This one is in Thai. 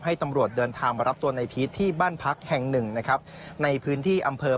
ให้ตำรวจเดินทางก็รับตัวในพีทที่บ้านพักแห่ง๑นะครับในพื้นที่อำเพลิง